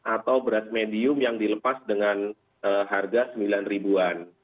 atau beras medium yang dilepas dengan harga sembilan ribuan